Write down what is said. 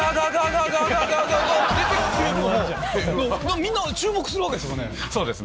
みんな注目するわけですもんね。